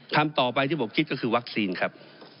ทำต่อไปที่ผมคิดก็คือวัคซีนครับ